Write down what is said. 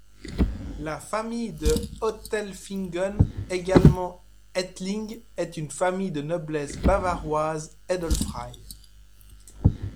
La famille de Otelfingen, également Ettling, est une famille de noblesse bavaroise edelfrei.